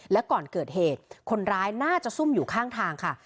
และก่อนเกิดเหตุคนร้ายน่าจะซุ่มอยู่ข้างทางค่ะ